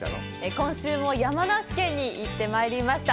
今週も山梨県に行ってまいりました。